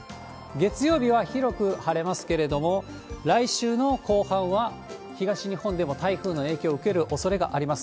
月曜日は広く晴れますけれども、来週の後半は東日本でも台風の影響を受けるおそれがあります。